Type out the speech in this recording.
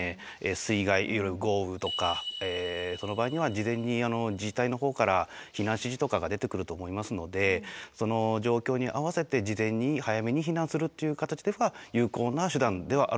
水害豪雨とかその場合には事前に自治体の方から避難指示とかが出てくると思いますのでその状況に合わせて事前に早めに避難するっていう形では有効な手段ではあるのかなと。